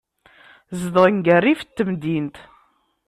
Zedɣen deg rrif n temdint.